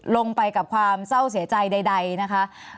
ลงไปกับความเศร้าเสียใจใดนะคะ